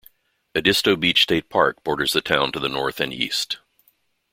Edisto Beach State Park borders the town to the north and east.